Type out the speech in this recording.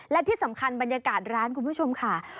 และที่สำคัญบรรยากาศร้านคุณผู้ชมค่ะ